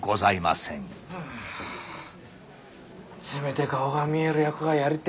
せめて顔が見える役がやりてえよ。